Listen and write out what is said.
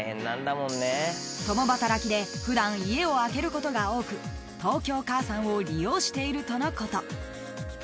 ［共働きで普段家を空けることが多く東京かあさんを利用しているとのこと］